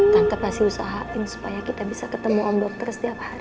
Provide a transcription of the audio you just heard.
nanda pasti usahain supaya kita bisa ketemu om bokter setiap hari